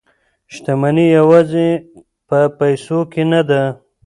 شتمني یوازې په پیسو کې نه ده.